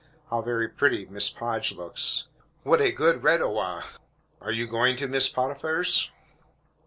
"How very pretty Miss Podge looks!" "What a good redowa!" "Are you going to Mrs. Potiphar's?"